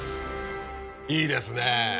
いいですね